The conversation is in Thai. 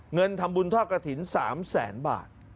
เงินธรรมบุญท่อกระถิ่น๓แสนบาท